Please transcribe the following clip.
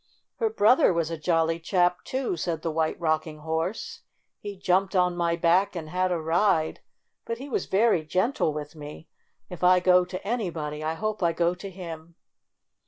"Her brother was a jolly chap, too," said the White Rocking Horse. "He jumped on my back and had a ride, but lie was very gentle with me. If I go to anybody, I hope I go to him."